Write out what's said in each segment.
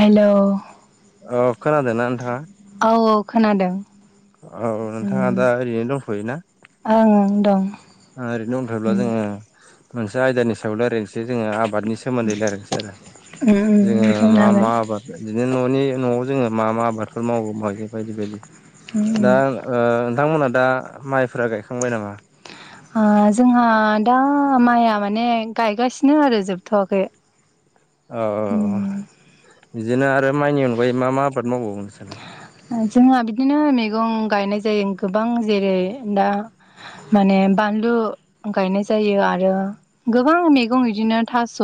Hello अ खोनादोंना नोंथांङा? औ औ खोनादों। औ नोंथांङा दा ओरैनो दंथ'योना? ओंओं दं। ओरैनो दंथ'योब्ला जोंङो मोनसे आयदानि सायाव लायरायनोसै जोंङो आब आबादनि सोमोन्दै लायरायनोसै आरो उम जोंङो बुंनो मा मा हागोन आबाद बिदिनो न'नि न'आव जोंङो मा मा आबादफोर मावो मावबावो बायदि बायदि दा उम ओ नोंथांमोनहा दा माइफोरा गायखांबाय नामा? जोंहा दा माइया माने गायगासिनो आरो जोबथ'वाखै [inaudible] औ औ उम बिदिनो आरो माइनि अनगायै मा मा आबाद मावबावो नोंसोरलाय जोंहा बिदिनो मैगं गायनाय जायो गोबां जेरै दा माने बानलु गायनाय जायो आरो गोबां मैगं बिदिनो थास'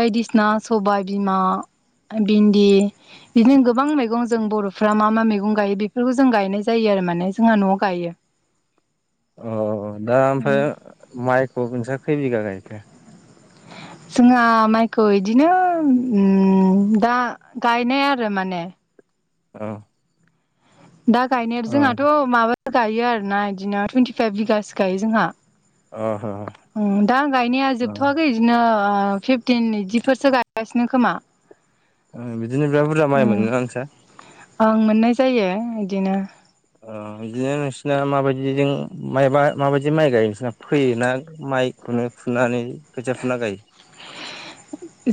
बायदिसिना सबाय बिमा भिन्दि बिदिनो गोबां मैगं जों बर' फ्रा मा मा मैगं गायो बेफोरखौ जों गायनाय जायो आरो माने जोंहा न'आव गायो अ दा ओमफ्राय माइखौ नोंस्रा खै बिगा गायखो जोंहा माइखौ बिदिनो दा गायनाय आरो माने औ दा गायनाया औ जोंहाथ' माबा गायो आरोना बिदिनो टुइन्टिफाइभ बिगासो गायो जोंहा अ दां गायनाया जोबथ'वाखै बिदिनो फिफटिन बिदिफोरसो गायगासिनो खोमा बिदिनो बिराद बुरजा माइ उम मोनोना नोंसा ओं मोननाय जायो बिदिनो बिदिनो नोंसिना माबायदि जों मबा माबायदि माइ गायो नोंसोरना फैयोना माइखौनो फुनानै खोथिया फुना गायो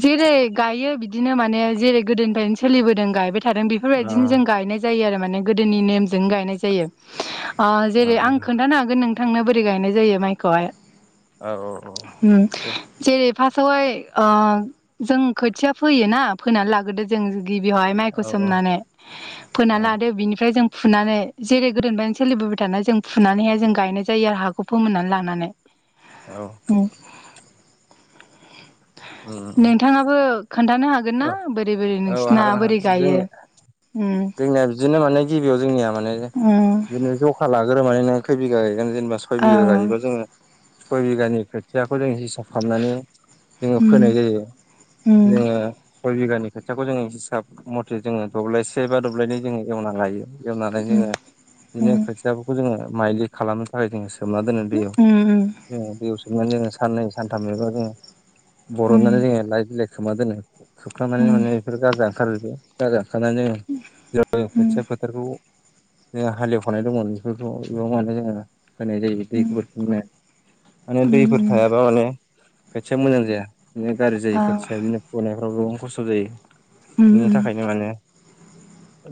जेरै गायो बिदिनो माने जेरै गोदोनिफ्रायनो सोलिबोदों गायबाय थादों अ बेफोरबायदिनो जों गायनाय जायो आरो माने गोदोनि नेम जों गायनाय जायो अ जेरै आं खोन्थानो हागोन नोंथांनो बोरै गायनाय जायो माइखौहाय औ औ औ दे जेरै फार्स्टआवहाय जों खोथिया फैयोना फैनानै लागोदो जों गिबियावहाय माइखौ औ सोमनानै औ फोनानै लादो बिनिफ्राय जों फुनानै जेरै गोदोनिफ्रायनो सोलिबोबाय थानाय जों फुनानैहाय जों गायनाय जायो आरो हाखौ फोमोननानै लानानै औ उम उम नोंथाङाबो खोन्थानो हागोन ना औ बोरै बोरै औ नोंसिना हागोन हागोन बोरै गायो जोंनि उम जोंनिया बिदिनो माने गिबियाव जोंनिया माने उम बिदिनो ज सा लाग्रो मान नों खय बिघा गायोनेनबा सय बिघा ओं गायोब जोङो सय बिगानि खोथियाखौ जों हिसाब खालामनानै जोङो उम फोनाय जायो उम उम [unintelligible] सय बिगानि खोथियाखौ जोङो हिसाब मथे जोङो दब्लायसे बा दब्लायनै जोङो एवनानै लायो एवनानै उम जोङो बिदिनो खोथियाफोरखौ जोङो माइलि खालामनो थाखाय जोङस सोमना दोनो दैयाव उम उम जोङ दैयाव सोमनानै जोङो साननै सानथामनिबा जोङो बरननानै जोङो लाइ बिलाइ खोमा दोनो सुखांनानै माने बेफोर गाजा ओंखारोबो खनानै जेर खोथिया फोथारखौ [unintelligible] हालेवखनाय दंमोन बेफोरखौ बेयाव माने जोङो होनाय जायो दैखौ खुंनो माने दैफोर थायाबा माने खोथिया मोजां जाया बिदिनो गाज्रि जायो खोथिया बिदिनो फुनायफ्राव गोबां खस्थ' जायो ओं बिनि थाखायनो उम माने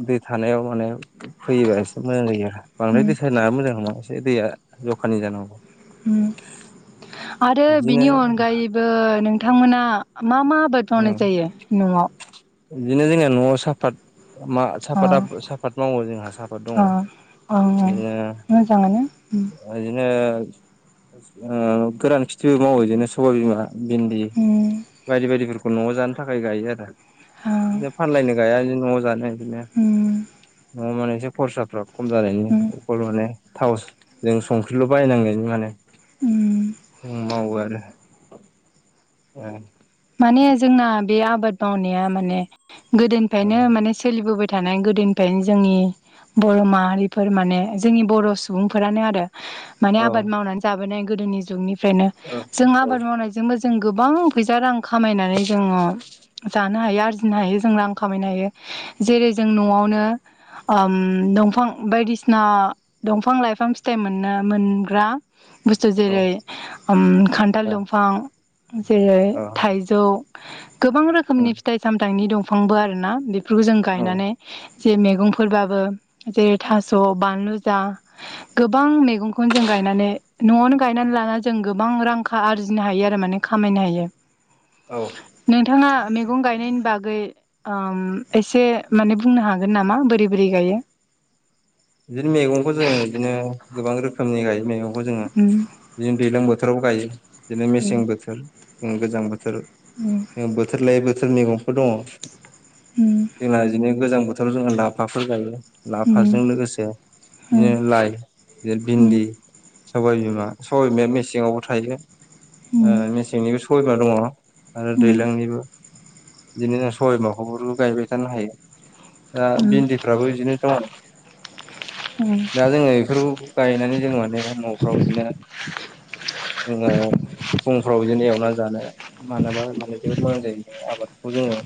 दै थानायाव माने फैयोबा एसे मोजां जायो आरो बांद्राय उम दैसा नाब मोजां नामा एसे दैया जखानि जानांगौ उम आरो बिदिनो बिनि अनगायै- -बो नोंथांमोना मा मा आबाद मावनाय जायो न'आव बिदिनो जोंनिया न'आव साफात मा अ साफात साफात मावो जोंहा साफात दङ अ अ बिदिनो मोजाङानो उम बिदिनो ओ गोरान खिथिबो मावो बिदिनो सबायबिमा भिन्दि उम बायदि बायदिफोरखौ न'आव जानो थाखाय गायो आरो अ बिनो फानलायनो गाया बि न'आव जानो बिदिनो उम न'आव माने एसे खरसाफ्रा खम जानायनि उम माने थाव जों संख्रिल' बायनांनायनि माने उम मावो आरो- औ माने जोंना बे आबाद मावनाया माने गोदोनिफ्रायनो माने सोलिबोबाय थानाय गोदोनिफ्रायनो जोंनि बर' माहारिफोर माने जोंनि बर' सुबुंफोरानो आरो माने औ आबाद मावनानै जाबोनाय गोदोनि जुगनिफ्रायनो औ जों आबाद मावनायजोंबो जों गोबां फैसा रां खामायनानै जोङो जानो नो हायो आरजिनो हायो जों रां खामायनो हायो जेरै जों न'आवनो ओम दंफां बायदिसिना दंफां लाइफां फिथाइ मोननो मोनग्रा बुस्थु जेरै ओम खान्थाल दंफां जेरै औ थाइजौ गोबां रोखोमनि फिथाइ सामथायनि दंफांबो आरोना। बेफोरखौ जों औ गायनानै जे मैगंफोरबाबो जेरै थास' बानलु जा गोबां मैगंखौनो जों गायनानै न'आवनो गायनानै लाना जों गोबां रां आरजिनो हायो आरो माने खामायनो हायो। औ नोंथाङा मैगं गायनायनि बागै ओम एसे माने बुंनो हागोन नामा बोरै बोरै गायो? बिदिनो मैगंखौ जोङो बिदिनो गोबां रोखोमनि गायो मैगंखौ जोङो। उम बिदिनो दैज्लां बोथोराव गायो बिदिनो मेसें बोथोर गोजां बोथोर उम बोथोर लायै बोथोर मैगंफोर दङ। उम जोंहा बिदिनो गोजां बोथोराव जोंहा लाफाफोर गायो लाफाजों लोगोसे उम बिदिनो लाइ बिदिनो भिन्दि सबाइ बिमा सबाइबिमाया मेसेंआवबो थायो। ओ उम मेसेंनिबो सबाइबिमा दङ आरो दैज्लांनिबो बिदिनो साइमाखौ गायबाय थानो हायो दा उम बिन्दि- -फोराबो बिदिनो दङ। उम दा जोङो बेफोरखौ गायनानै जों माने न'फ्राव बिदिनो जोङो फुंफ्राव बिदिनो एवना जानो मानोबा माने जोबोद मोजां जायो आबादखौ जोङो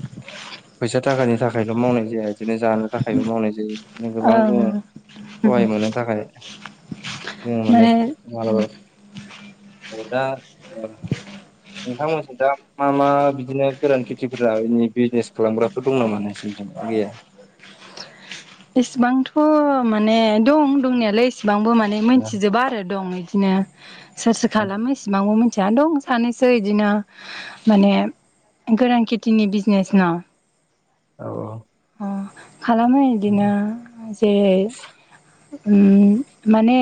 फैसा थाखानि थाखायल' मावनाय जाया। बिदिनो जानो थाखायबो मावनाय जायो बिदिनो गोबां जोङो ओं सहाय मोननो थाखाय जोङो माने [unintelligible] दा नोंथांमोनथिं दा मा मा बिदिनो गोरान खेथिफोरा इदिनो बिजनेस खालामग्राफोर दं नामा नोंसिथिं ना गैया? इसेबांथ' माने दं दंनायालाय इसेबांबो माने औ मिन्थिजोबा आरो दं बिदिनो सोर सोर खालामो इसिबांबो खथिया दं सानैसै बिदिनो माने गोरान खेथिनि बिजनेस न औ औ। अ खालामो बिदिनो जेरै माने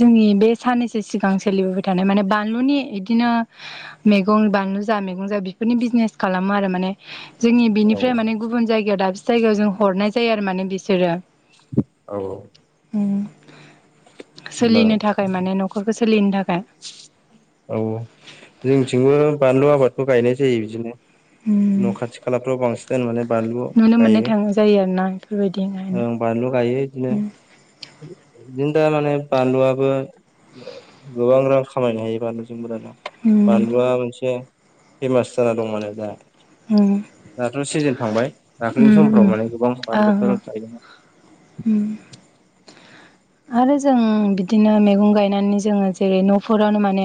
जोंनि बे साननैसो सिगां सोलिबोबाय थानाय माने बानलुनि बिदिनो मैगं बानलु जा मैगं जा बेफोरनि बिजनेस खालामो आरो माने जोंनि औ बिनिफ्राय माने गुबुन जायगायाव दाबसे जायगायाव जों हरनाय जायो आरो माने बिसोरो औ। सोलिनो थाखाय माने न'खरखौ सोलिनो थाखाय। औ जोंथिंबो बानलु आबादखौ गायनाय जायो बिदिनो। उम न' खाथि खालाफ्राव बांसिनानो माने बानलु नुनो मोननाय गायो। थाङो जायो आरोना। बेबायदिनो ओं बानलु गायो बिदिनो बिदिनो दा माने बानलुआबो गोबां रां खामायनो हायो बानलुजोंबो दाना। उम बानलुआ मोनसे फेमास जाना दं माने दा। उम दाथ' सिजोन थांबाय दाखोलैनि उम समफ्राव माने गोबां बानलुफोर गायदोंमोन। अम आरो जों बिदिनो मैगं गायनानै जोंङो जेरै न'फोरावनो माने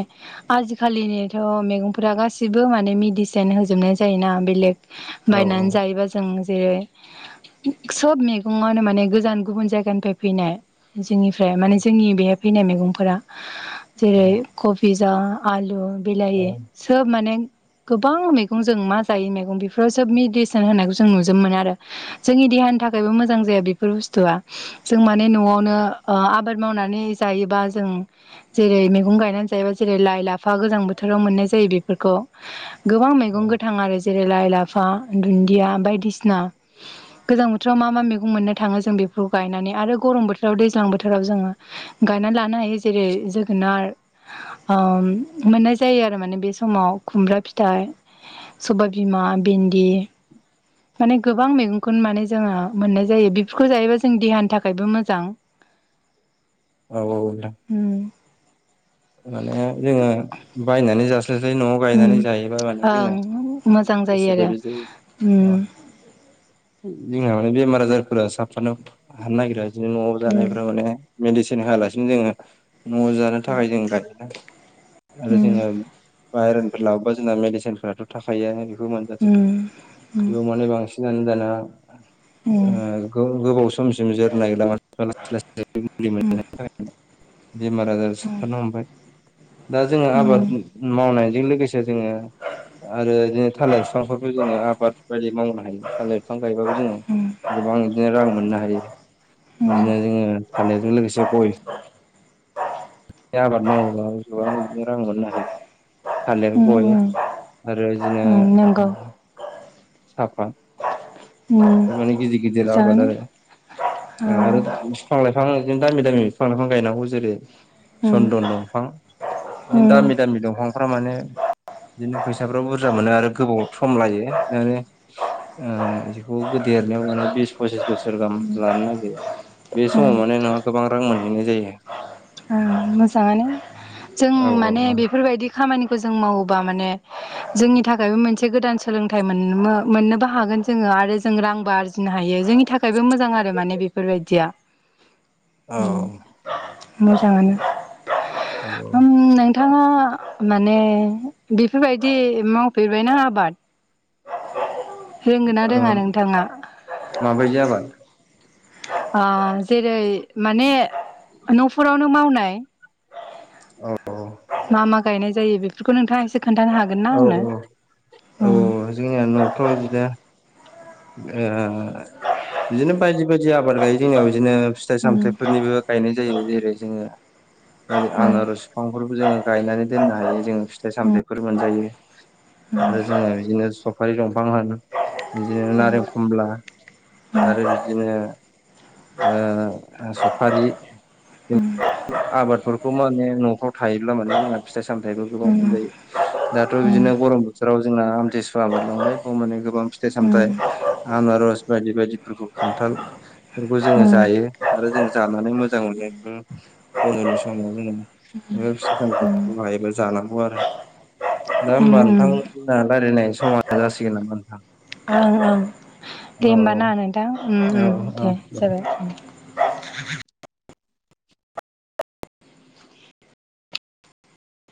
आजिखालिनिथ' मैगंफोरा गासिबो माने मेडिसिन होजोबनाय जायोना बेलेग औ बायनानै जायोबा जों जे सब मैगङावनो माने गो जान गुबुन जायगानिफ्राय फैनाय जोंनिफ्राय माने जोंनि बेहाय फैनाय मैगंफोरा औ जेरै कबि जाा आलु औ बिलाहि सोब माने गोबां मैगं जों मा जायो मैगं बेफोराव सोब मेडिसिन होनायखौ जों नुजोब मोनो आरो। जोंनि देहानि थाखायबो मोजां जाया बे फोर बुस्थुआ जों माने न'आवनो आबाद मावनानै जायोबा जों जेरै मैगं गायनानै जायोबा जेरै लाइ लाफा गोजां बोथोराव मोननाय जायो बेफोरखौ गोबां मैगं गोथां आरो जेरै लाइ लाफा दुन्दिया बायदिसिना गोजां बोथोराव मा मा मैगं मोनो थाङो जों बेफोरखौ गायनानै आरो गरम बोथोराव दैज्लां बोथोराव जोंङो गायनानै लानो हायो जेरै जोगोनार ओ मोननाय जायो आरो माने बे समाव खुमब्रा फिथाइ सबाय बिमा भिन्दि माने गोबां मैगंखौनो माने जोंङो मोननाय जायो बि फोरखौ जायोबा जों देहानि थाखायबो मोजां। औ औ नोंथां अम माने जोंङो बायनानै जास इनि साय न'आव गायनानै जायोबा माने जोंङो उम ओं मोजां जायो गोसो आरो बायदि जायो उम अ जोंहा माने बेमार आजारफोरा साबसननो हानो नागिरा। बिदिनो न'आव उम जानायफोरा माने मेडिसिन होआलासिनो जोंङो न'आव जानो थाखाय जोंङो आरो उम जोंङो बाहेरनिफ्राय लाबोबा जोंना मेडिसिन फोरथ' थाखायोआनो बेखौ मोनजाथि उम उम बेयाव मानो बांसिनानो दाना उम ओ गोबाव समसिम जोरनाय लामा लासै लासै मुलि मोनजानायनि थाखाय बेमार आजार साबफानो हमबाय। दा जोंङो उम आबाद उम मावनायजों लोगोसे जोंङो आरो बिदिनो थालिर बिफांफोरखौ जोंङो आबाद बायदि मावनो हायो थालिर बिफां गायबाबो जोंङो उम गोबां बिदिनो रां मोननो हायो बिदिनो जोंङो थालिरजों लोगोसे गय बे आबाद मावोबा गोबां बिनो रां मोननो हायो। थालिर गय आरो बिदिनो नंगौ साफाद अम गिदिर आबाद आरो आरो बिफां लाइफां दामि दामि बिफां लाइफां गायनांगौ जेरै सन्दन दंफां बिदिनो दामि दामि दंफांफ्रा माने बिदिनो फैसाफ्राव बुरजा मोनो आरो गोबाव सम लायो आरो ओ बेखौ देरनायाव माने बिस फसिस बोसोर गाहाम लानो नागिरो। बे समाव माने नोंहा गोबां रां मोनहैनाय जायो। ओ मोजाङानो जों औ माने बेफोरबायदि खामानिखौ जों मावोबा माने जोंनि थाखायबो मोनसे गोदान सोलोंथाइ मोन-मोननोबो हागोन जोंङो आरो जों रांबो आर फिनो हायो जोंनि थाखायबो मोजां आरो माने बेफोरबायदिया [inaudible] मोजाङानो औ ओम नोंथाङा माने बेफोरबायदि मावफेरबायना आबाद। [unintelligible] ओ रोङा नोंथाङा माबायदि आबाद? जेरै- माने न'फोरावनो मावनाय। औ मा मा गायनाय जायो बेफोरखौ नोंथाङा एसे खोन्थानो हागोन ना औ आंनो? औ जोंनिया न'फ्राव बिदिनो ओ बिदिनो बायदि बायदि आबाद गायो। जोंनियाव बिदिनो उम फिथाइ-सामथाइफोरनिबो गायनाय जायो। जेरै- जोङो बे आनार बिफांफोरबो जोङो गायनानै दोननो हायो, जोङो उम फिथाइ-सामथाइफोर मोनजायो। आरो जोङो बिदिनो सफारि दंफां होन बिदिनो नारें खमला आरो बिदिनो ओ सफारि [unintelligible] आबादफोरखौ माने न'फ्राव थायोब्ला माने जोंहा फिथाइ-सामथाइबो गोबां उम मोनजायो। दाथ' उम बिदिनो गरम बोथोराव जोंना आमथिसुवा बारलांबाय माने गोबां फिथाइ-सामथाइ उम आनारस बायदि बायदिफोरखौ खान्थाल खौ जोङो उम जायो आरो जों जानानै मोजां मोनो। बन्दनि समाव जोङो बे फिथाइ-सामथाइखौ हायोब्ला जानांगौ आरो। दा होमबा उम नोंथा। उम जोंआ रायलायनाय समा जासिगोन नामा नोंथां? ओ ओ दे औ होमबा ना नोंथां औ औ दे जाबाय।